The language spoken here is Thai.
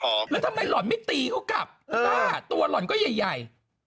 แล้วทำไมหล่อนไม่ตีเขากลับตัวหล่อนก็ใหญ่